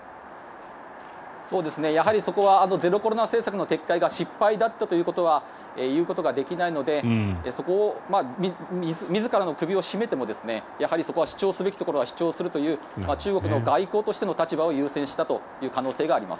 やはりそこはゼロコロナ政策の撤回が失敗だったということは言うことができないので自らの首を絞めてもそこは主張すべきところは主張するという中国の外交としての立場を優先したという可能性があります。